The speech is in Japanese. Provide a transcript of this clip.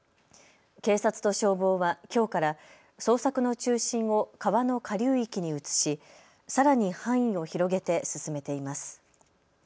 警察と消防は、きょうから捜索の中心を川の下流域に移しさらに範囲を広げて進めています。